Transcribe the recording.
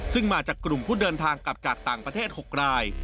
ซึ่งมาจากกลุ่มผู้เดินทางกลับจากต่างประเทศ๖ราย